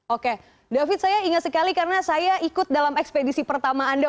oke david saya ingat sekali karena saya ikut dalam ekspedisi pertama anda